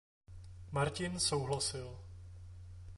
Martin souhlasil.